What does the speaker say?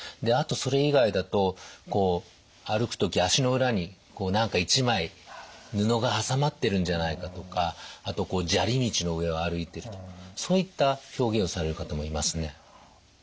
あとそれ以外だと歩く時足の裏に何か１枚布が挟まってるんじゃないかとかあと砂利道の上を歩いてるとそういった表現をされる方もいますね。